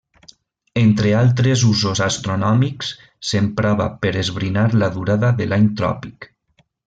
Entre altres usos astronòmics s'emprava per esbrinar la durada de l'any tròpic.